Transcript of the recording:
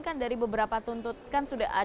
kan dari beberapa tuntut kan sudah